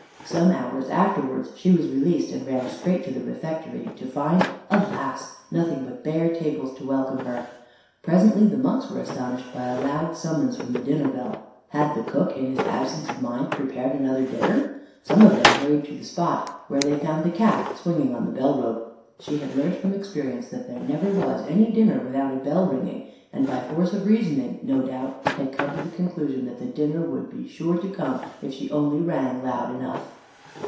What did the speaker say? Some hours afterwards she was released, and ran straight to the refectory, to find, alas! nothing but bare tables to welcome her. Presently the monks were astonished by a loud summons from the dinner bell. Had the cook, in his absence of mind, prepared another dinner? Some of them hurried to the spot, where they found the Cat swinging on the bell rope. She had learnt from experience that there never was any dinner without a bell ringing; and by force of reasoning, no doubt, had come to the conclusion that the dinner would be sure to come if she only rang loud enough.